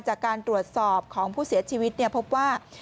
จากการตรวจสอบของผู้เสียชีวิตพบว่า